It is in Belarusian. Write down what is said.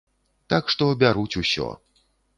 Так што бяруць усё.